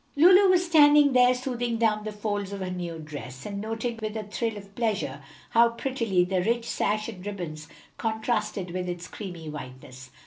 Lulu was standing there smoothing down the folds of her new dress, and noting, with a thrill of pleasure, how prettily the rich sash and ribbons contrasted with its creamy whiteness.